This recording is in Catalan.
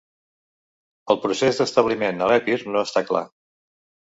El procés d'establiment a l'Epir no està clar.